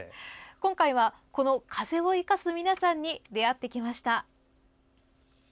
今回は、この風を生かす皆さんに出会ってきました。